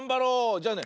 じゃあね